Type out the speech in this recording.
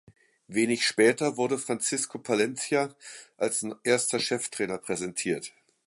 Wenig später wurde Francisco Palencia als erster Cheftrainer präsentiert.